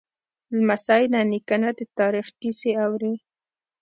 لمسی له نیکه نه د تاریخ کیسې اوري.